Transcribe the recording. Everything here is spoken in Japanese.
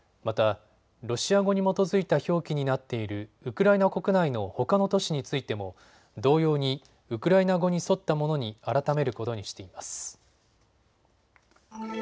また、ロシア語に基づいた表記になっているウクライナ国内のほかの都市についても同様にウクライナ語に沿ったものに改めることにしています。